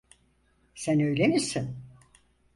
Sen öyle misin?